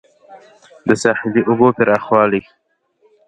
د ساحلي اوبو پراخوالی